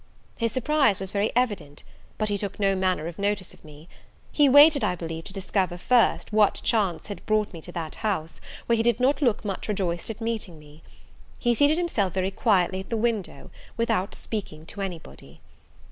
His surprise was very evident; but he took no manner of notice of me. He waited, I believe, to discover, first, what chance had brought me to that house, where he did not look much rejoiced at meeting me. He seated himself very quietly at the window, without speaking to any body.